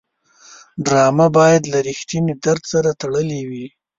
ډرامه باید له رښتینې درد سره تړلې وي